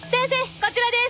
こちらです。